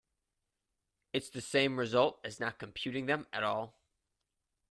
It's the same result as not computing them at all.